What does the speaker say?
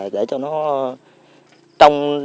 để cho nó trông